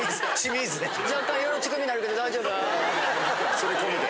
それ込みで。